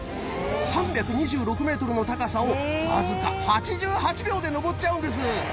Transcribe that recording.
３２６ｍの高さをわずか８８秒で上っちゃうんです。